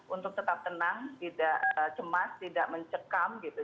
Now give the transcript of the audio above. untuk tetap tenang tidak cemas tidak mencekam gitu